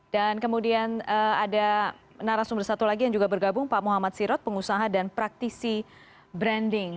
dan kemudian ada narasumber satu lagi yang juga bergabung pak muhammad sirot pengusaha dan praktisi branding